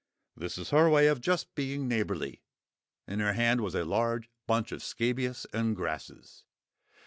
This is her way of just being neighbourly. In her hand was a large bunch of scabious and grasses.